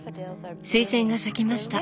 スイセンが咲きました！